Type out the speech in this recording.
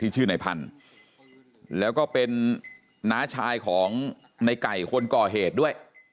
ชื่อในพันธุ์แล้วก็เป็นน้าชายของในไก่คนก่อเหตุด้วย